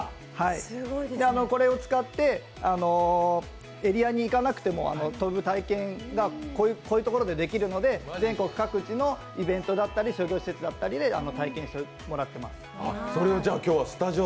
これを使って、エリアに行かなくても飛ぶ体験がこういうところでできるので全国各地のイベントだったり商業施設だったりとかで体験してもらっています。